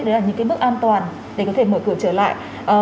đấy là những cái bước an toàn để có thể mở cửa trở lại